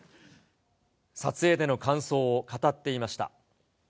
撮影での感想を語っていました。